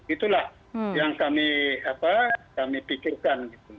itulah yang kami pikirkan